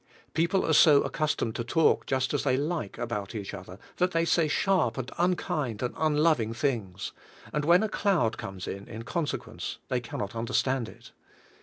People are so accustomed to talk just as they like about each other that they say sharp and unkind and unloving things, and when a cloud comes in consequence they cannot understand it.